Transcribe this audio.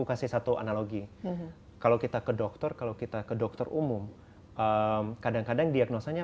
kasih satu analogi kalau kita ke dokter kalau kita ke dokter umum kadang kadang diagnosanya